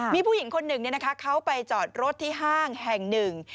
มีผู้หญิงคนหนึ่งเขาไปจอดรถที่ห้างแห่งหนึ่ง